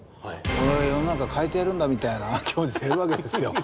俺が世の中変えてやるんだみたいな気持ちでいるわけですよ。